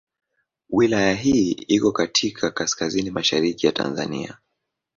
Wilaya hii iko katika kaskazini mashariki ya Tanzania.